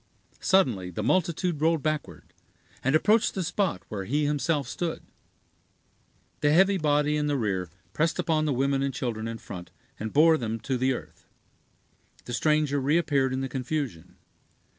Suddenly the multitude rolled backward, and approached the spot where he himself stood. The heavy body in the rear pressed upon the women and children in front, and bore them to the earth. The stranger reappeared in the confusion.